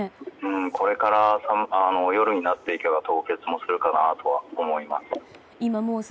これから夜になっていけば凍結もするかなと思います。